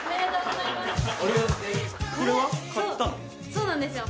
そうなんですよ。